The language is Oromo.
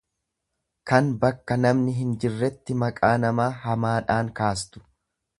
kan bakka namni hin jirretti maqaa namaa hamaadhaan kaastu.